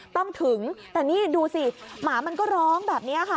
ต้องถึงแต่นี่ดูสิหมามันก็ร้องแบบนี้ค่ะ